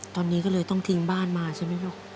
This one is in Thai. ตอนนี้ก็เลยต้องทิ้งบ้านมาใช่ไหมลูก